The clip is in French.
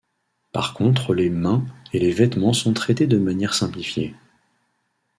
Par contre les mains et les vêtements sont traités de manière simplifiée.